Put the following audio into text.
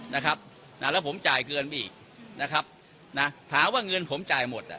นะครับนะแล้วผมจ่ายเกินไปอีกนะครับนะถามว่าเงินผมจ่ายหมดอ่ะ